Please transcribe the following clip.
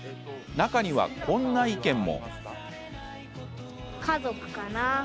中には、こんな意見も。